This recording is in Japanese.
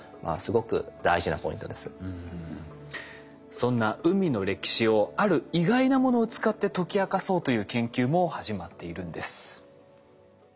そんな海の歴史をある意外なものを使って解き明かそうという研究も始まっているんです。